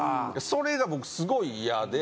それが僕すごいイヤで。